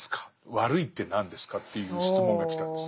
悪いって何ですか？」という質問が来たんです。